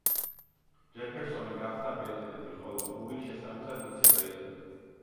ჯეფერსონი გახდა პრეზიდენტი, ხოლო ბური შესაბამისად ვიცე პრეზიდენტი.